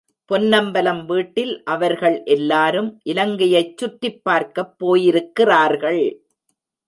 பொன்னம்பலம் வீட்டில் அவர்கள் எல்லாரும் இலங்கையைச் சுற்றிப் பார்க்கப் போயிருக்கிறார்கள்.